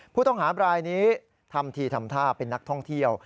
ผู้ต้องหาบรายนี้ทำทีทำท่าเป็นนักท่องเที่ยว